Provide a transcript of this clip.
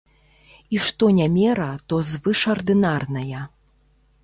І што не мера, то звышардынарная.